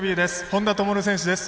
本多灯選手です。